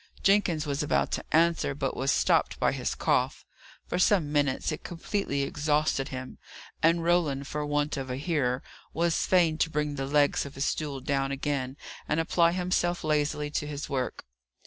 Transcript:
Jenkins was about to answer, but was stopped by his cough. For some minutes it completely exhausted him; and Roland, for want of a hearer, was fain to bring the legs of his stool down again, and apply himself lazily to his work.